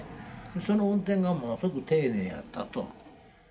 その運転がものすごく丁寧やったと。